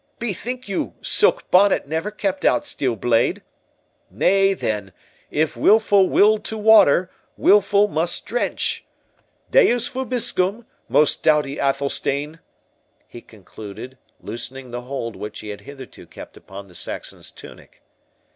—Bethink you, silk bonnet never kept out steel blade.—Nay, then, if wilful will to water, wilful must drench.—'Deus vobiscum', most doughty Athelstane!"—he concluded, loosening the hold which he had hitherto kept upon the Saxon's tunic.